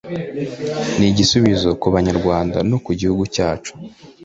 ni igisubizo ku banyarwanda no ku gihugu cyacu